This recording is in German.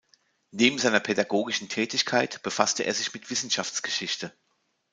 Neben seiner pädagogischen Tätigkeit befasste er sich mit Wissenschaftsgeschichte.